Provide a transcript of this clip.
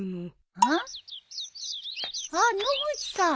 うん？あっ野口さん。